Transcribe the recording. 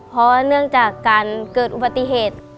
เพราะว่าเนื่องจากการเกิดอุบัติเหตุ